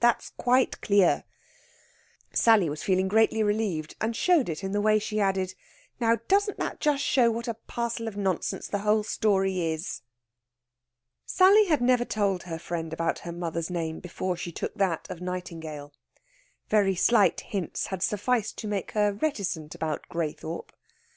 That's quite clear." Sally was feeling greatly relieved, and showed it in the way she added: "Now, doesn't that just show what a parcel of nonsense the whole story is?" Sally had never told her friend about her mother's name before she took that of Nightingale. Very slight hints had sufficed to make her reticent about Graythorpe.